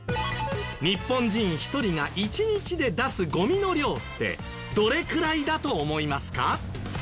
日本人１人が１日で出すゴミの量ってどれくらいだと思いますか？